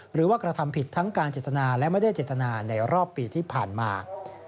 หรือว่ากระทำผิดทั้งการเจตนาและไม่ได้เจตนาในรอบปีที่ผ่านมา